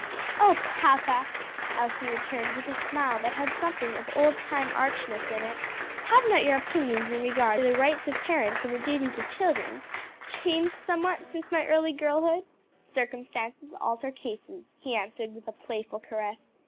"Oh papa!" Elsie returned with a smile that had something of old time archness in it, "have not your opinions in regard to the rights of parents and the duties of children changed somewhat since my early girlhood?" "Circumstances alter cases," he answered with a playful caress.